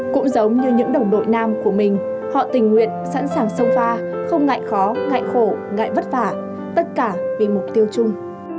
cũng giống như những đồng đội nam của mình họ tình nguyện sẵn sàng sông pha không ngại khó ngại khổ ngại vất vả tất cả vì mục tiêu chung